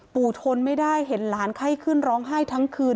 ทนไม่ได้เห็นหลานไข้ขึ้นร้องไห้ทั้งคืน